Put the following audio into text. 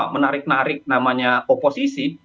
menarik narik namanya oposisi